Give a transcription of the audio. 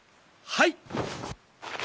はい！